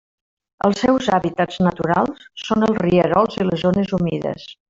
Els seus hàbitats naturals són els rierols i les zones humides.